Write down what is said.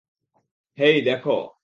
হেই, দেখ।